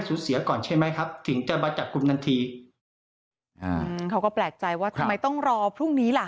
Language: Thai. เสียก่อนใช่ไหมครับถึงจะมาจับกลุ่มทันทีอ่าเขาก็แปลกใจว่าทำไมต้องรอพรุ่งนี้ล่ะ